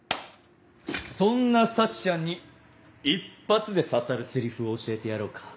そんな沙智ちゃんに一発で刺さるセリフを教えてやろうか？